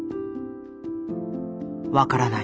分からない。